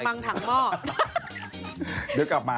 กระบังถังหม้อ